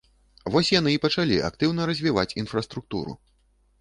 Вось яны і пачалі актыўна развіваць інфраструктуру.